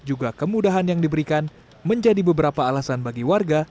juga kemudahan yang diberikan menjadi beberapa alasan bagi warga